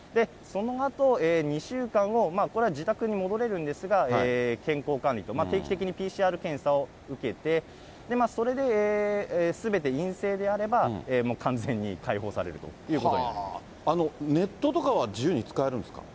そのあと、２週間、これは自宅に戻れるんですが、健康管理と、定期的にＰＣＲ検査を受けて、それですべて陰性であれば、完全に解放されるということになります。